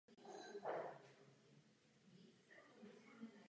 Michael Shannon byl za svou roli v tomto filmu nominován na Oscara.